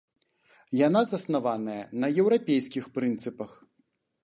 Яна заснаваная на еўрапейскіх прынцыпах.